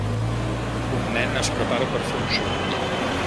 Un nen es prepara per fer un xut